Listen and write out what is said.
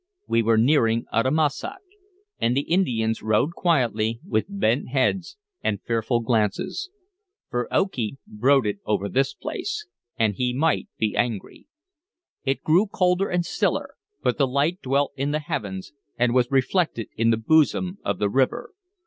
We were nearing Uttamussac, and the Indians rowed quietly, with bent heads and fearful glances; for Okee brooded over this place, and he might be angry. It grew colder and stiller, but the light dwelt in the heavens, and was reflected in the bosom of the river.